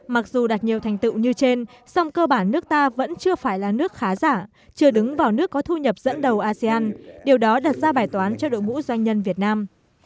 mặc dù đạt nhiều thành tựu như trên song cơ bản nước ta vẫn chưa phải là nước khá giả chưa đứng vào nước có thu nhập dẫn đầu asean điều đó đặt ra bài toán cho đội ngũ doanh nhân việt nam